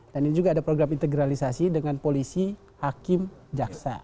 dan ini juga ada program integralisasi dengan polisi hakim jaksa